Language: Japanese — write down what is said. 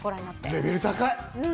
レベル高い。